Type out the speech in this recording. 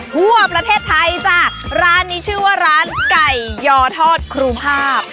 ทั่วประเทศไทยจ้ะร้านนี้ชื่อว่าร้านไก่ยอทอดครูภาพ